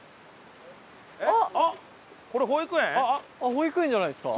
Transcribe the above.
保育園じゃないですか？